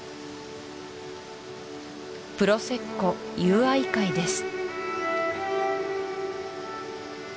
プロセッコ友愛会です